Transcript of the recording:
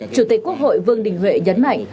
chủ tịch quốc hội vương đình huệ nhấn mạnh